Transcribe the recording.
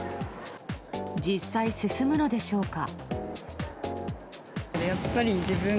実際、進むのでしょうか。